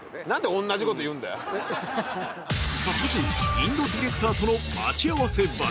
早速インドディレクターとの待ち合わせ場所へ